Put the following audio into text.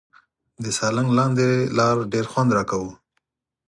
د سالنګ لاندې لار ډېر خوند راکاوه.